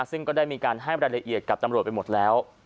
ซึ่งก็ได้มีการให้รายละเอียดกับตำรวจไปหมดแล้ว